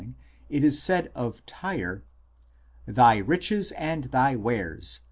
it is said of Tyre :" Thy riches and thy wares .